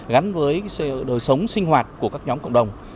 gắn với đời sống sinh hoạt của các nhóm cộng đồng